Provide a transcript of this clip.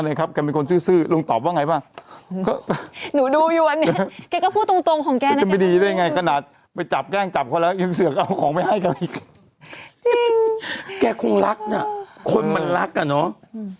เลยครับแกเป็นคนซื่อซื่อลุงตอบว่าไงป่ะหนูดูอยู่วันนี้แกก็พูดตรงตรง